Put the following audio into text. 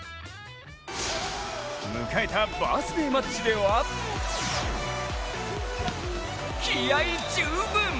迎えたバースデーマッチでは気合い十分！